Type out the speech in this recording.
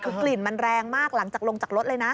คือกลิ่นมันแรงมากหลังจากลงจากรถเลยนะ